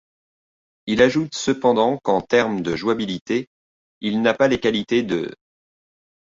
Il ajoute cependant qu’en terme de jouabilité, il n’a pas les qualités de '.